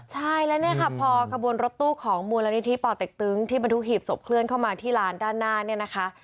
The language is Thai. ใช่แล้วเนี่ยค่ะพอขบวนรถตู้ของมูลนิธิป่อเต็กตึงที่บรรทุกหีบศพเคลื่อนเข้ามาที่ลานด้านหน้าเนี่ยนะคะ